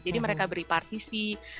jadi mereka beri partisi